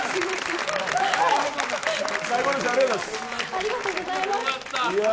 ありがとうございます。